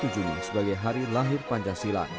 satu juli sebagai hari lahir pancasila